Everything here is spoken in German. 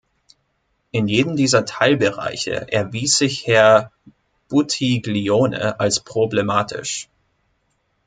In jedem dieser Teilbereiche erwies sich Herr Buttiglione als problematisch.